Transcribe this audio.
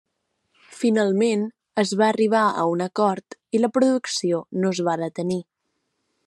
Finalment es va arribar a un acord i la producció no es va detenir.